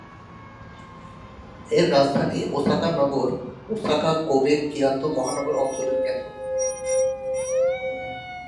এর রাজধানী ওসাকা নগর ওসাকা-কোবে-কিয়োতো মহানগর অঞ্চলের কেন্দ্র।